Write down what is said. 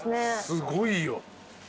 すごいよ。